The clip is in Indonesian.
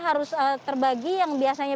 harus terbagi yang biasanya